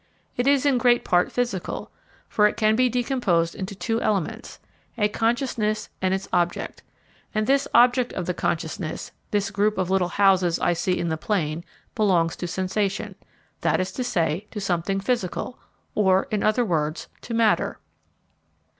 It is in great part physical, for it can be decomposed into two elements, a consciousness and its object; and this object of the consciousness, this group of little houses I see in the plain, belongs to sensation that is to say, to something physical or, in other words, to matter.